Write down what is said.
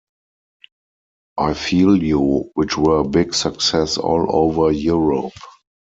I Feel You, which were a big success all over Europe.